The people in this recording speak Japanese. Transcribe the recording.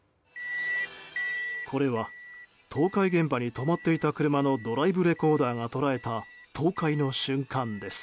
これは倒壊現場に止まっていた車のドライブレコーダーが捉えた倒壊の瞬間です。